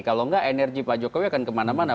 kalau enggak energi pak jokowi akan kemana mana